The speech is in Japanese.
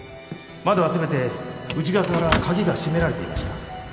窓は全て内側から鍵が閉められていました